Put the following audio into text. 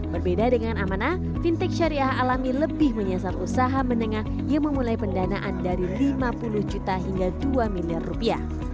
berbeda dengan amanah fintech syariah alami lebih menyasar usaha menengah yang memulai pendanaan dari lima puluh juta hingga dua miliar rupiah